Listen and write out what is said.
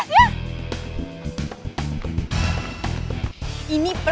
apa dua terima kasih pak